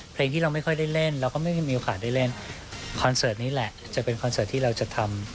เพลงที่เราไม่ค่อยได้เล่นเราก็ไม่มีโอกาสได้เล่นคอนเสิร์ตนี้แหละจะเป็นคอนเสิร์ตที่เราจะทำ